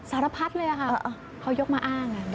สารพัดเลยค่ะเขายกมาอ้าง